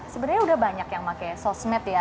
sebenarnya udah banyak yang pakai sosmed ya